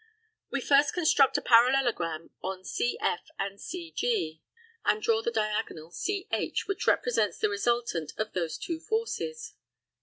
We first construct a parallelogram on CF and CG, and draw the diagonal CH, which represents the resultant of those two forces.